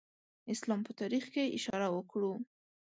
اسلام په تاریخ کې اشاره وکړو.